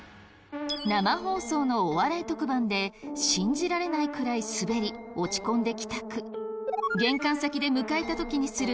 生放送のお笑い特番で信じられないくらいスベり落ち込んで帰宅。